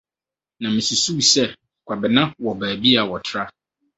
Ná misusuw sɛ Kwabena wɔ baabi a wɔtra.